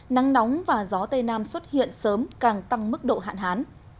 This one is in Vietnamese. nắng nóng và gió tây nam xuất hiện sớm càng tăng mức độ hạn hán